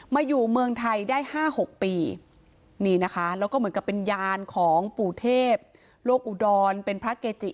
มาอยู่เมืองไทยได้๕๖ปีนี่นะคะแล้วก็เหมือนกับเป็นยานของปู่เทพโลกอุดรเป็นพระเกจิ